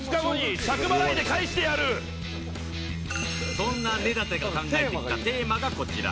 そんな根建が考えてきたテーマがこちら